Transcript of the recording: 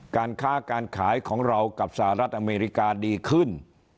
การค้าการขายของเรากับสหรัฐอเมริกาดีขึ้น